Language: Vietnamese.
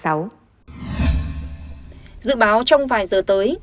dự báo trong vài giờ tới